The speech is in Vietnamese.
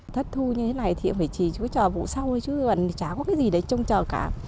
thất thu như thế này thì phải chỉ trông chờ vụ sau thôi chứ chả có cái gì để trông chờ cả